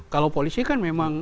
kalau polisi kan memang